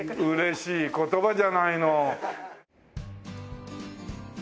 嬉しい言葉じゃないの。